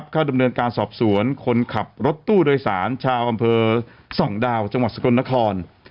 เข้าดำเนินการสอบสวนคนขับรถตู้โดยสารชาวอำเภอส่องดาวจังหวัดสกลนคร